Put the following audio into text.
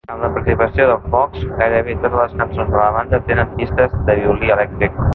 Amb la participació d'en Fox, gairebé totes les cançons de la banda tenien pistes de violí elèctric.